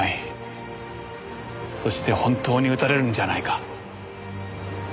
そして本当に撃たれるんじゃないか。